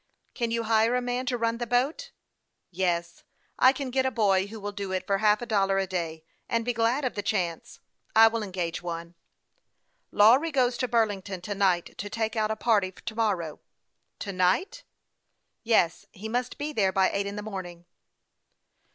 " Can you hire a man to run the boat ?"" Yes ; I can get a boy who will do it for half a dollar a day, and be glad of the chance. I will engage one." " Lawry goes to Burlington to night to take out a party to morrow." " To night ?"" Yes ; he must be there by eight in the morning."